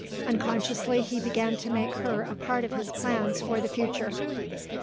Unconsciously he began to make her a part of his plans for the future.